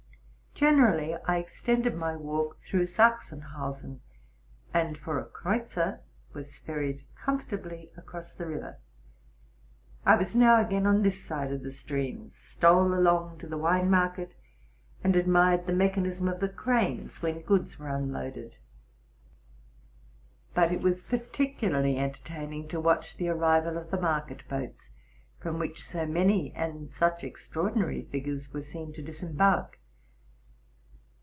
Generally I extended my walk through Sachsenhausen, and for a AWreutzer was ferried comfortably across the river. I was now again on this side of the stream, stole along to the wine market, and admired the mechanism of the cranes when goods were unloaded. But it was particularly entertaining to watch the arrival of the market boats, from which so many and such extraordinary figures were seen to disembark.